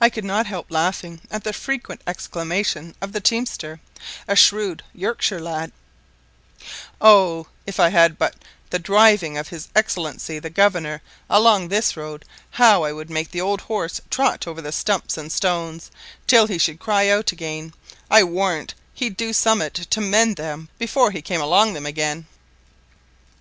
I could not help laughing at the frequent exclamations of the teamster, a shrewd Yorkshire lad, "Oh, if I had but the driving of his excellency the governor along this road, how I would make the old horses trot over the stumps and stones, till he should cry out again; I warrant he'd do summut to mend them before he came along them again."